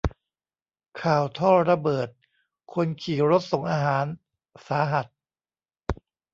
ข่าวท่อระเบิดคนขี่รถส่งอาหารสาหัส